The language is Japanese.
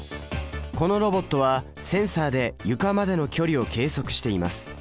このロボットはセンサで床までの距離を計測しています。